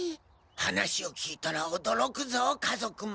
話を聞いたら驚くぞ家族も。